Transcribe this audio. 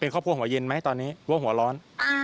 ครอบครัวหัวเย็นไหมตอนนี้ว่าหัวร้อน